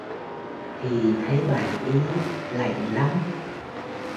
Thì thấy bạn ý lạnh lắm